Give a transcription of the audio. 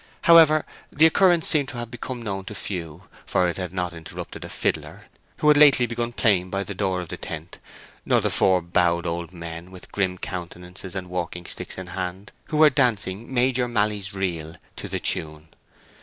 However, the occurrence seemed to have become known to few, for it had not interrupted a fiddler, who had lately begun playing by the door of the tent, nor the four bowed old men with grim countenances and walking sticks in hand, who were dancing "Major Malley's Reel" to the tune.